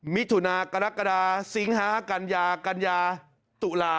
มิถุนากรกฎาสิงหากัญญากัญญาตุลา